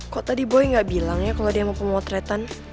kok tadi boy nggak bilang ya kalau dia mau pemotretan